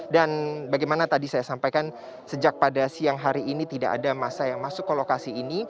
dan bagaimana tadi saya sampaikan sejak pada siang hari ini tidak ada masa yang masuk ke lokasi ini